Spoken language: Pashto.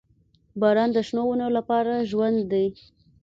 • باران د شنو ونو لپاره ژوند دی.